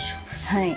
はい。